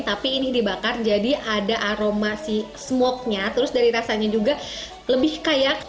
tapi ini dibakar jadi ada aroma si smoke nya terus dari rasanya juga lebih kayak